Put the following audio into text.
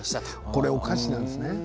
これはお菓子なんですね。